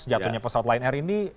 jatuhnya pesawat line r ini